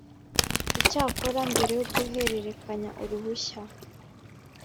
icyakora mbere yo guhererekanya uruhushya